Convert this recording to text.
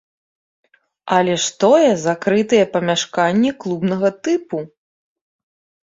Але ж тое закрытыя памяшканні клубнага тыпу!